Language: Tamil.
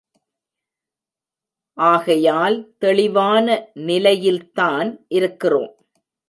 ஆகையால் தெளிவான நிலையில்தான் இருக்கிறோம்.